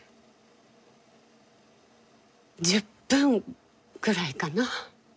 １０分ぐらいかな。